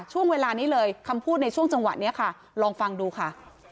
ช่วงเวลานี้เลยคำพูดในช่วงจังหวะนี้ค่ะลองฟังดูค่ะ